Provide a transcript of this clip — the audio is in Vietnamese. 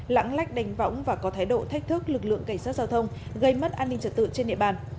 lãng lách đánh võng và có thái độ thách thức lực lượng cảnh sát giao thông gây mất an ninh trật tự trên địa bàn